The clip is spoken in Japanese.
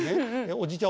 おじいちゃん